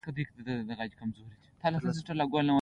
اوس هم راباندې ګران یې